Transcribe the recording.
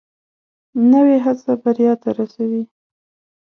نوې هڅه بریا ته رسوي